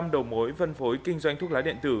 một mươi năm đầu mối phân phối kinh doanh thuốc lá điện tử